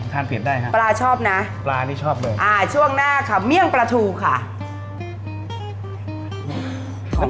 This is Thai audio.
ทานเผ็ดได้ครับปลาชอบนะช่วงหน้าค่ะเมี่ยงปลาทูค่ะของข้อ